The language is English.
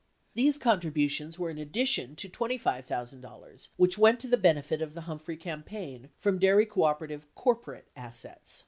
These contributions were in addi tion to $25,000 which went, to the benefit of the Humphrey campaign from dairy cooperative corporate assets.